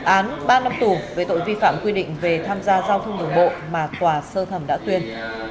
án ba năm tù về tội vi phạm quy định về tham gia giao thông đường bộ mà quả sơ thẩm đã tuyên